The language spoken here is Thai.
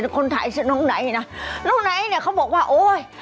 คนไทยคือน้องไน้นะน้องไน้เนี่ยเขาบอกว่าโอ๊ย